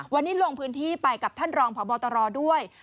วันนี้ลงพื้นที่ไปกับท่านรองพบตรด้วย